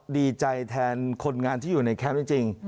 ดีใจแทนคนงานที่อยู่ในแคมป์จริง